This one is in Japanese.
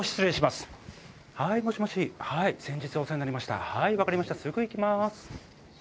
すぐ行きます。